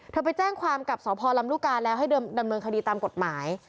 ไปแจ้งความกับสพลำลูกกาแล้วให้ดำเนินคดีตามกฎหมาย